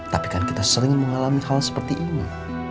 tapi kan kita sering mengalami hal seperti ini